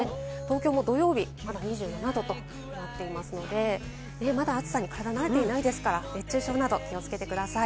東京も土曜日２７度となっていますので、まだ暑さに体が慣れていないですから、熱中症など気をつけてください。